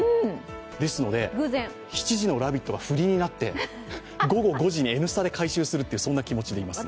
ですので、７時の「ラヴィット！」が振りになって午後５時の「Ｎスタ」で回収するという気持ちでいますね。